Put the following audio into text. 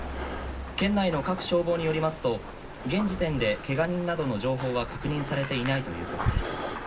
県内の各消防によりますと現時点でけが人などの情報は確認されていないということです。